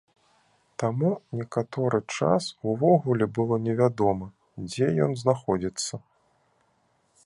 Таму некаторы час увогуле было невядома, дзе ён знаходзіцца.